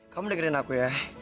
kamu dengerin aku ya